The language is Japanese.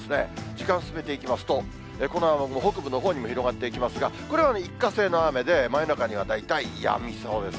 時間進めていきますと、この雨雲、北部のほうにも広がっていきますが、これは一過性の雨で、真夜中には大体やみそうです。